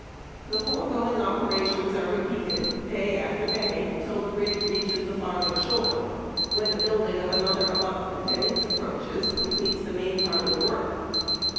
The foregoing operations are repeated bay after bay till the bridge reaches the farther shore, when the building of 388 HARD TACK AND COFFEE. another abutment and its approaches completes the main part of the work.